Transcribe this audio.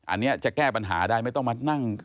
อันนี้จะแก้ปัญหาได้ไม่ต้องมานั่ง